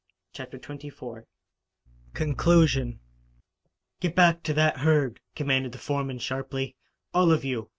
CHAPTER XXIV CONCLUSION "Get back to that herd!" commanded the foreman sharply. "All of you!